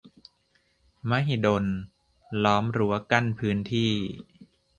- มหิดล ล้อมรั้วกั้นพื้นที่